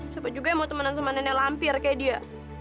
siapa juga yang mau teman teman nenek lampir kayak dia